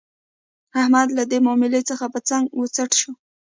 احمد له دې ماملې څخه په څنګ و څټ شو.